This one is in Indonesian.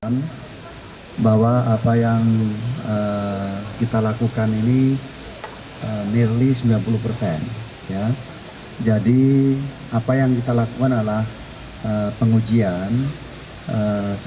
menurut duku atas